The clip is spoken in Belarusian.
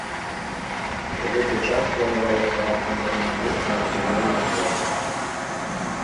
У гэты час планавалася раптам вярнуць гук на арыгінальны ўзровень.